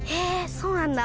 そうなんだ。